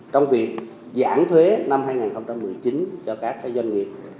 trong việc giảm thuế năm hai nghìn một mươi chín cho các doanh nghiệp